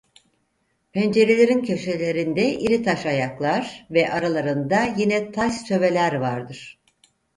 Pencerelerin köşelerinde iri taş ayaklar ve aralarında yine taş söveler vardır.